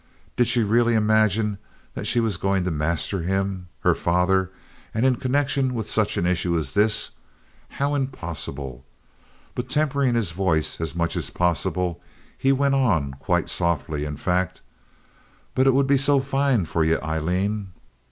Did she really imagine that she was going to master him—her father, and in connection with such an issue as this? How impossible! But tempering his voice as much as possible, he went on, quite softly, in fact. "But it would be so fine for ye, Aileen.